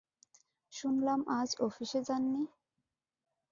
শুনলাম আজ অফিসে যান নি।